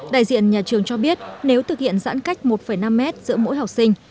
đại diện nhà trường cho biết nếu thực hiện giãn cách một năm mét giữa mỗi học sinh